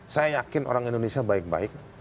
saya yakin orang indonesia baik baik